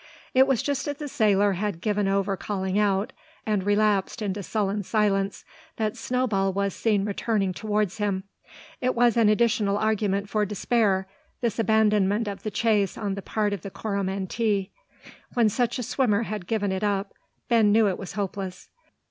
It was just as the sailor had given over calling out, and relapsed into sullen silence, that Snowball was seen returning towards him. It was an additional argument for despair this abandonment of the chase on the part of the Coromantee. When such a swimmer had given it up, Ben knew it was hopeless.